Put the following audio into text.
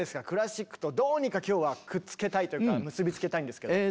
クラシックとどうにか今日はくっつけたいというか結びつけたいんですけど。